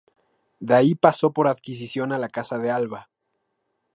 De ahí pasó por adquisición a la casa de Alba.